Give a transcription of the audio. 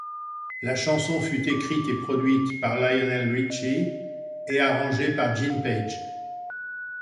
La chanson fut écrite et produite par Lionel Richie et arrangée par Gene Page.